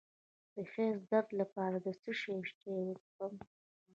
د حیض د درد لپاره د څه شي چای وڅښم؟